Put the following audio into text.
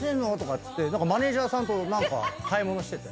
っつってマネジャーさんと買い物してて。